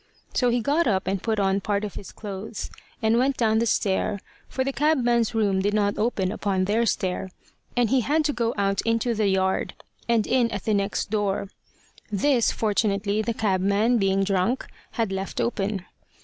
So he got up and put on part of his clothes, and went down the stair, for the cabman's room did not open upon their stair, and he had to go out into the yard, and in at the next door. This, fortunately, the cabman, being drunk, had left open.